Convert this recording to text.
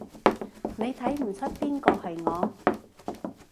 你睇唔岀邊個係我？